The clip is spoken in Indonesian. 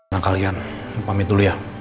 nah kalian pamit dulu ya